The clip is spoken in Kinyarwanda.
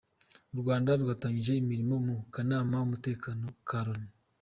U Rwanda rwatangiye imirimo mu kanama k’Umutekano ka Loni